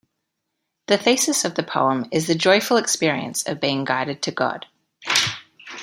The thesis of the poem is the joyful experience of being guided to God.